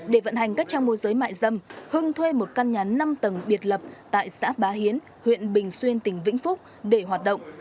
để vận hành các trang mô giới mại dâm hưng thuê một căn nhà năm tầng biệt lập tại xã bá hiến huyện bình xuyên tỉnh vĩnh phúc để hoạt động